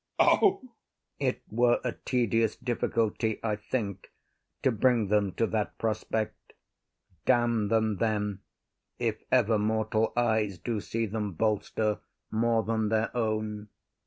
O! IAGO. It were a tedious difficulty, I think, To bring them to that prospect. Damn them then, If ever mortal eyes do see them bolster More than their own!